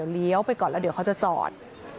เลี้ยวไปก่อนแล้วเดี๋ยวเขาจะจอด